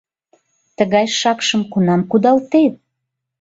— Тыгай шакшым кунам кудалтет?..